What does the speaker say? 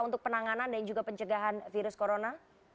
untuk penanganan dan juga pencegahan virus corona